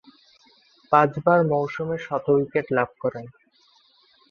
পাঁচবার মৌসুমে শত উইকেট লাভ করেন।